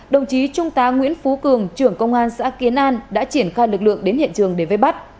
đồng chí trung tá nguyễn phú cường trưởng công an xã kiến an đã triển khai lực lượng đến hiện trường để vây bắt